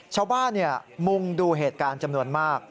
ชาวบ้านมุ่งดูเหตุการณ์จำนวนมาก